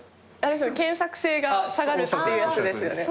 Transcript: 検索性が下がるってやつですよね。